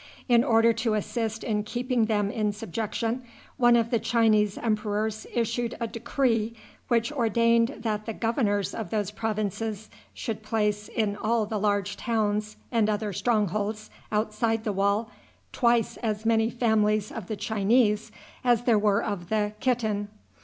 In order to assist in keeping them in subjection, one of the Chinese emperors issued a decree which ordained that the governors of those provinces should place in all the large towns, and other strongholds outside the wall, twice as many families of the Chinese as there were of the Kitan.